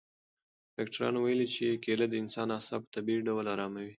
ډاکټرانو ویلي چې کیله د انسان اعصاب په طبیعي ډول اراموي.